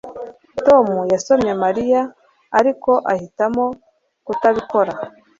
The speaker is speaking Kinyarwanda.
Tom yasomye Mariya ariko ahitamo kutabikora